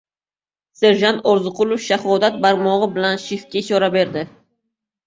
Serjant Orziqulov shahodat barmog‘i bilan shiftga ishora berdi.